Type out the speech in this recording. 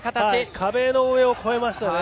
壁の上を越えましたね。